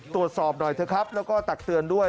ตรวจสอบหน่อยเถอะครับแล้วก็ตักเตือนด้วย